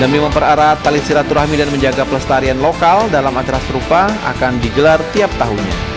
demi memperarat tali silaturahmi dan menjaga pelestarian lokal dalam acara serupa akan digelar tiap tahunnya